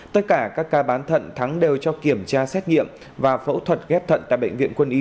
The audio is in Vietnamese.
tất cả các ca bán thận thắng đều cho kiểm tra xét nghiệm và phẫu thuật ghép thận tại bệnh viện quân y một trăm linh ba